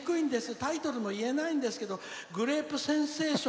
タイトルも言えないんですけど「グレープセンセーション」